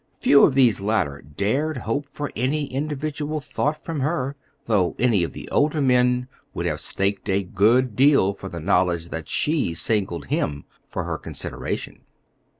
Few of these latter dared hope for any individual thought from her, though any of the older men would have staked a good deal for the knowledge that she singled him for her consideration.